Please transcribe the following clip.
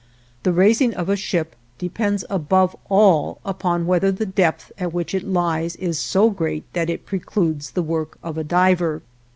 The raising of a ship depends above all upon whether the depth at which it lies is so great that it precludes the work of a diver.